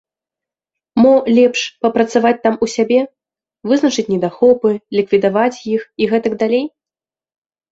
Мо, лепш папрацаваць там у сябе, вызначыць недахопы, ліквідаваць іх і гэтак далей?